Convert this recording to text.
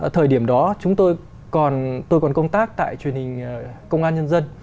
thời điểm đó tôi còn công tác tại truyền hình công an nhân dân